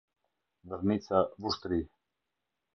Vërnica, Vushtrri